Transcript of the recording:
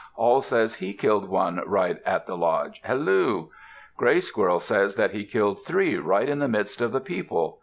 _ Awl says he killed one right at the lodge. Halloo!, Gray Squirrel says that he killed three right in the midst of the people.